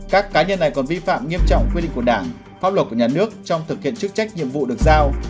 các cá nhân này còn vi phạm nghiêm trọng quy định của đảng pháp luật của nhà nước trong thực hiện chức trách nhiệm vụ được giao